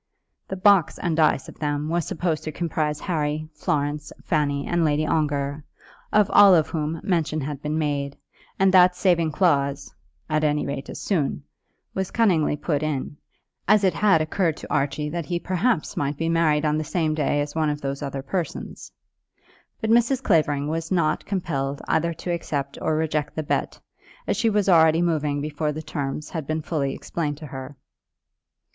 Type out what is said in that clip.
The "box and dice of them" was supposed to comprise Harry, Florence, Fanny, and Lady Ongar, of all of whom mention had been made, and that saving clause, "at any rate as soon," was cunningly put in, as it had occurred to Archie that he perhaps might be married on the same day as one of those other persons. But Mrs. Clavering was not compelled either to accept or reject the bet, as she was already moving before the terms had been fully explained to her.